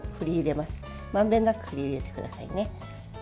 まんべんなく振り入れてくださいね。